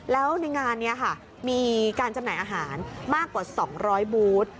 แล้วในงานนี้ค่ะมีการจำหน่ายอาหารมากกว่า๒๐๐บูธ